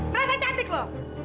merasa cantik lu